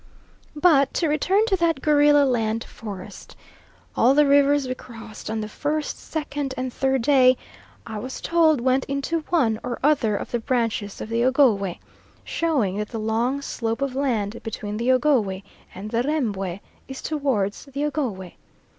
But to return to that gorilla land forest. All the rivers we crossed on the first, second, and third day I was told went into one or other of the branches of the Ogowe, showing that the long slope of land between the Ogowe and the Rembwe is towards the Ogowe.